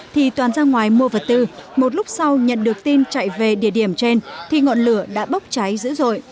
thì toàn ra ngoài mua vật tư một lúc sau nhận được tin chạy về địa điểm trên thì ngọn lửa đã bốc cháy dữ dội